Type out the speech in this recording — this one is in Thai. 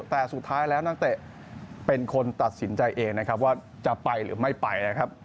แต่สุดท้ายแล้วนักเตะเป็นคนตัดสินใจเองว่าจะไปหรือไม่ไป